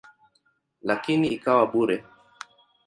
Lakini ikawa bure.